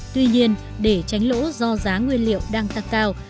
tuy nhiên để tránh lỗ do giá nguyên liệu đang tăng cao